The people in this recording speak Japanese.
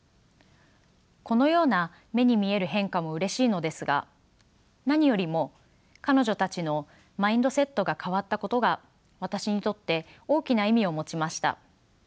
このような目に見える変化もうれしいのですが何よりも彼女たちのマインドセットが変わったことが私にとって大きな意味を持ちました。